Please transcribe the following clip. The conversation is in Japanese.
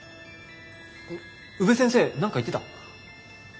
宇部先生何か言ってた？